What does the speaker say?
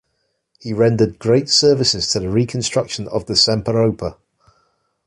He rendered great services to the reconstruction of the Semperoper.